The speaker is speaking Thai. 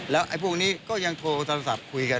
แล้วไอ้พวกนี้ก็ยังโทรโทรศัพท์คุยกัน